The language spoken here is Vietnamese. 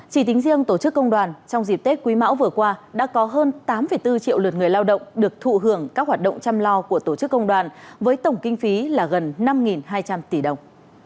chỉ tính riêng tổ chức công đoàn trong dịp tết quý mão vừa qua đã có hơn tám bốn triệu lượt người lao động được thụ hưởng các hoạt động chăm lo của tổ chức công đoàn với tổng kinh phí là gần năm hai trăm linh tỷ đồng